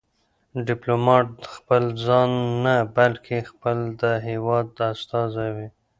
ډيپلومات خپل ځان نه، بلکې خپل د هېواد استازی وي.